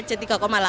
sesuai di bank bi nya